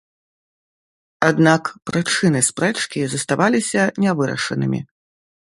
Аднак прычыны спрэчкі заставаліся нявырашанымі.